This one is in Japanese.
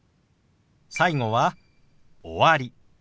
最後は「終わり」。